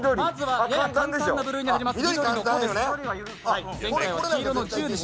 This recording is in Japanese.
簡単な部類に入ります。